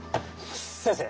先生！